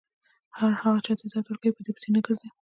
هغه چې چاته عزت ورکوي په دې پسې نه ګرځي.